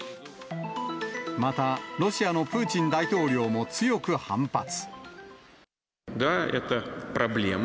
また、ロシアのプーチン大統領も強く反発。